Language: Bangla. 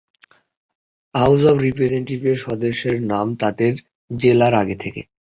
হাউস অব রিপ্রেজেনটেটিভের সদস্যদের নাম তাদের জেলার আগে থাকে।